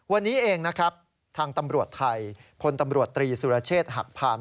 วันนี้เองนะครับทางตำรวจไทยพลตำรวจตรีสุรเชษฐ์หักพาน